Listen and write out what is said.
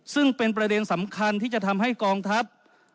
ซึ่งเป็นประเด็นสำคัญที่จะทำให้กองทัพ